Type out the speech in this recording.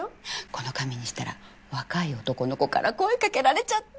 この髪にしたら若い男の子から声かけられちゃって。